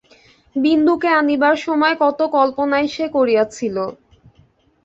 বিন্দুকে আনিবার সময় কত কল্পনাই সে করিয়াছিল!